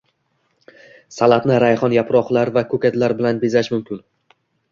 Salatni rayhon yaproqlari va ko‘katlar bilan bezash mumkin